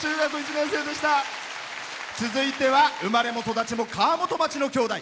続いては生まれも育ちも川本町の兄弟。